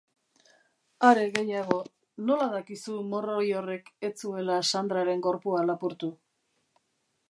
Are gehiago, nola dakizu morroi horrek ez zuela Sandraren gorpua lapurtu?